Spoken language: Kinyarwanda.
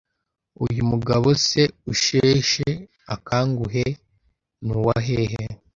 Uyu mugabo se usheshe akanguhe nuwa hehe?”